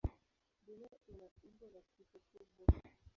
Dunia ina umbo la tufe kubwa.